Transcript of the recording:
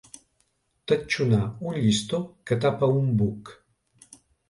Tatxonar un llistó que tapa un buc.